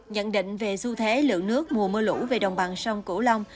nhận định về xu thế lượng nước mùa mưa lũ về đồng bằng sông cửu long